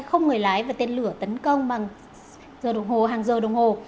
không người lái và tên lửa tấn công bằng giờ đồng hồ hàng giờ đồng hồ